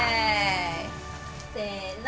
せの！